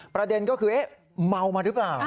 ประเด็นก็คือเมามาหรือเปล่า